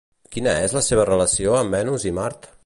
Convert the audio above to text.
Quina és la seva relació amb Venus i Mart?